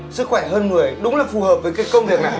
sức khỏe hơn người đúng là phù hợp với cái công việc này